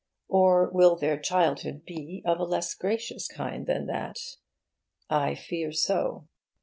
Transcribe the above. Or will their childhood be of a less gracious kind than that? I fear so.